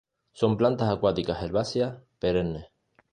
Son plantas acuáticas herbáceas perennes.